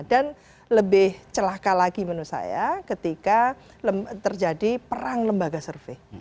dan lebih celaka lagi menurut saya ketika terjadi perang lembaga survei